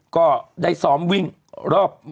ก็ได้ซ้อมวิ่งรอบ